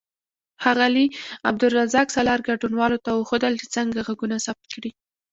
ښاغلي عبدالرزاق سالار ګډونوالو ته وښودل چې څنګه غږونه ثبت کړي.